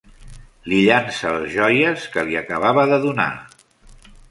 Li llança les joies que li acabava de donar.